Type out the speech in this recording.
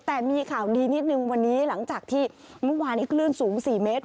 แต่มีข่าวดีนิดนึงวันนี้หลังจากที่เมื่อวานนี้คลื่นสูง๔เมตร